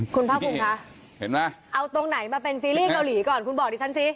คุณภาคภูมิคะเห็นไหมเอาตรงไหนมาเป็นซีรีส์เกาหลีก่อนคุณบอกดิฉันสิ